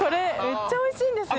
めっちゃおいしいです。